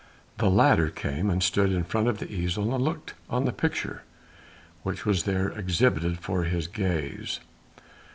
The latter came and stood in front of the easel and looked on the picture which was there exhibited for his gaze.